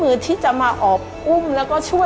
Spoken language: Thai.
การที่บูชาเทพสามองค์มันทำให้ร้านประสบความสำเร็จ